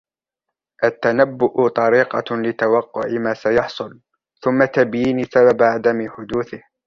التنبؤ طريقة لتوقع ما سيحصل ، ثم تبيين سبب عدم حدوثه.